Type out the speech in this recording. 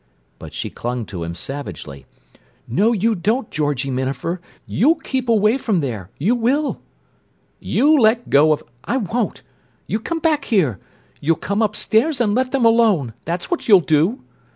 But she clung to him savagely. "No, you don't, Georgie Minafer! You'll keep away from there! You will!" "You let go of—" "I won't! You come back here! You'll come upstairs and let them alone; that's what you'll do!"